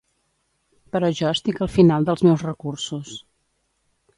Però jo estic al final dels meus recursos.